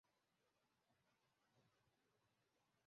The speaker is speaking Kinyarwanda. kristo, mesiya yerekanye,